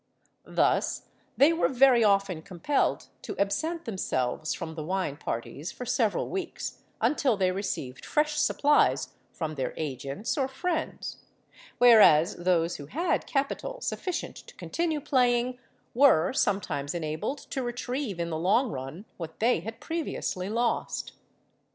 Thus they were very often compelled to absent themselves from the wine parties for several weeks until they received fresh supplies from their agents or friends; whereas those who had capital sufficient to continue playing, were sometimes enabled to retrieve in the long run what they had previously lost.